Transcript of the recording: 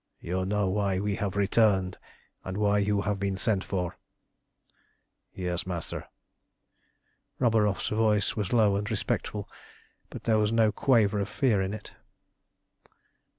"You know why we have returned, and why you have been sent for?" "Yes, Master." Roburoff's voice was low and respectful, but there was no quaver of fear in it.